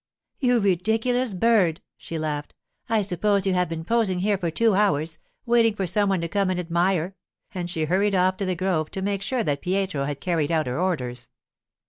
'You ridiculous bird!' she laughed. 'I suppose you have been posing here for two hours, waiting for some one to come and admire,' and she hurried off to the grove to make sure that Pietro had carried out her orders.